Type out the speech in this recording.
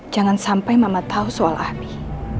jangan sampai mama tahu soal ahli